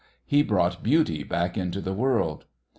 He brought Beauty back into the world!"